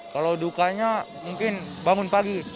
kalau dukanya mungkin bangun pagi